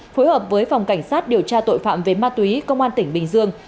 phối hợp với phòng cảnh sát điều tra tội phạm về ma túy công an tỉnh bình dương